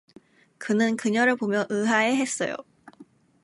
그는 그녀를 보며 의아해 했어요.